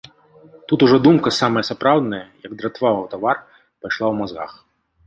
Тут ужо думка, самая сапраўдная, як дратва ў тавар, пайшла ў мазгах.